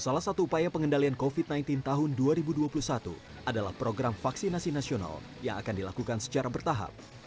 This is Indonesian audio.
salah satu upaya pengendalian covid sembilan belas tahun dua ribu dua puluh satu adalah program vaksinasi nasional yang akan dilakukan secara bertahap